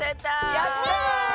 やった！